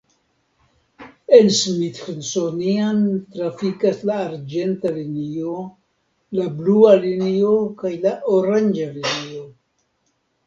En Smithsonian trafikas la arĝenta linio, la blua linio kaj la oranĝa linio.